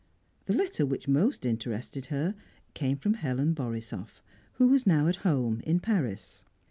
The letter which most interested her came from Helen Borisoff, who was now at home, in Paris.